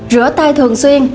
rửa tay thường xuyên